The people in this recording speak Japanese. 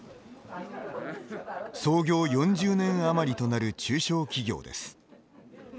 創業４０年余りとなる中小企業です。